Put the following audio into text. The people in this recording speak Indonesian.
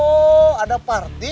oh ada party